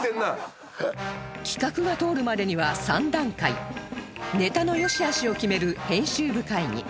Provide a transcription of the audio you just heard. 企画が通るまでには３段階ネタの善しあしを決める編集部会議